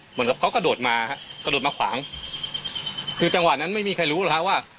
เหมือนกับเขากระโดดมาฮะกระโดดมาขวางคือจังหวะนั้นไม่มีใครรู้หรอกฮะว่า